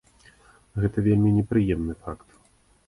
Гэта вельмі непрыемны факт.